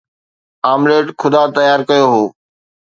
omelette خدا تيار ڪيو هو